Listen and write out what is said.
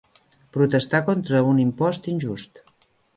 Protestar contra un impost injust.